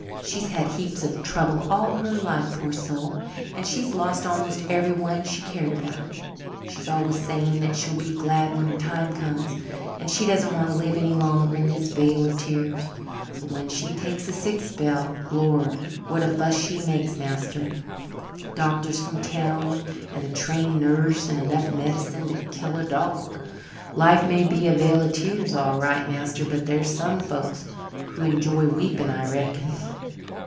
She's had heaps of trouble all her life, poor soul, and she's lost almost everyone she cared about. She's always saying that she'll be glad when her time comes, and she doesn't want to live any longer in this vale of tears. But when she takes a sick spell, lord, what a fuss she makes, master! Doctors from town and a trained nurse and enough medicine to kill a dog! Life may be a vale of tears, all right, master, but there are some folks who enjoy weeping, I reckon."